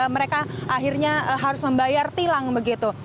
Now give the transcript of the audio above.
mereka akhirnya harus membayar tilang begitu